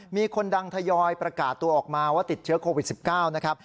มีคนดังทยอยประกาศตัวออกมาว่าติดเชื้อโควิด๑๙นะครับ